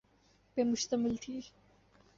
پہ مشتمل تھی۔